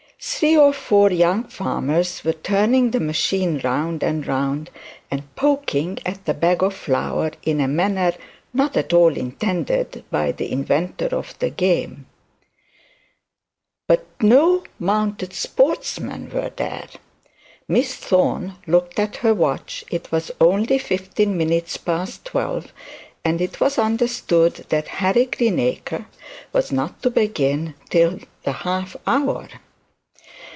Three or four young farmers were turning the machine round and round, and poking at the bag of flour in a manner not at all intended by the inventor of the game; but no mounted sportsmen were there. Miss Thorne looked at her watch. It was only fifteen minutes past twelve, and it was understood that Harry Greenacre was not to begin till the half hour.